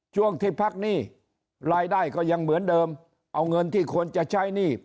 ช่วงที่พักหนี้รายได้ก็ยังเหมือนเดิมเอาเงินที่ควรจะใช้หนี้